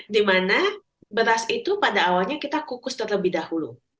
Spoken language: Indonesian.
dimana beras itu pada awalnya kita kukus terlebih dahulu